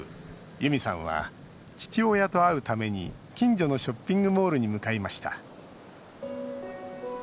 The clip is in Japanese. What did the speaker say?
ユミさんは父親と会うために近所のショッピングモールに向かいました。